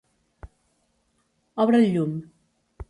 Obre el llum.